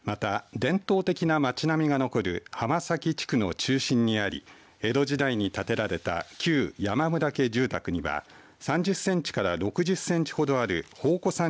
伝統的な町並みが残る浜崎地区の中心にあり江戸時代に建てられた旧山村家住宅には３０センチから６０センチほどあるほうこさん